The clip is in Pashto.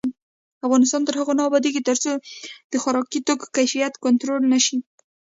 افغانستان تر هغو نه ابادیږي، ترڅو د خوراکي توکو کیفیت کنټرول نشي.